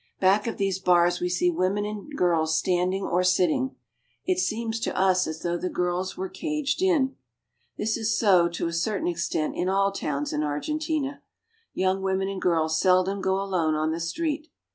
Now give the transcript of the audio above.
Back of these bars we see women and girls standing or sitting. It seems to us as though the girls were caged in. This is so to a certain extent in all towns in Argentina. Young women and girls seldom go alone on the street.